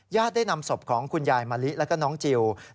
ญาติได้นำศพของคุณยายมะลิและน้องจิลวัย